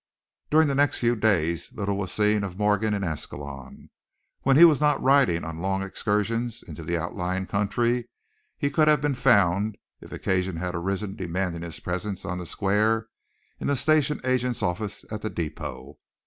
During the next few days little was seen of Morgan in Ascalon. When he was not riding on long excursions into the outlying country he could have been found, if occasion had arisen demanding his presence on the square, in the station agent's office at the depot.